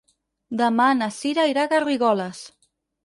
Demà na Cira irà a Garrigoles.